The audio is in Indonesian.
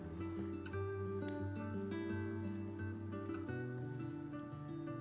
ketika berada di rumah meloka